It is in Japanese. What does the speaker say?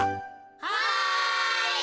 はい。